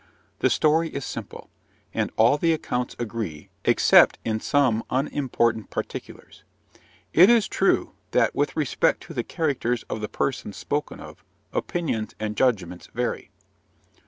The story is simple; and all the accounts agree, except in some unimportant particulars. It is true, that, with respect to the characters of the persons spoken of, opinions and judgments vary.